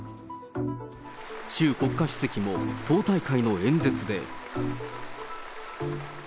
習国家主席も党大会の演説で。